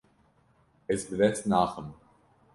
Ez bi dest naxim.